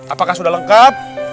apakah sudah lengkap